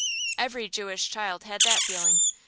Every Jewish child had that feeling.